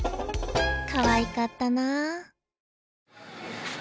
かわいかったな。